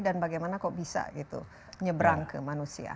dan bagaimana kok bisa gitu nyebrang ke manusia